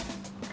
tunggu nanti aja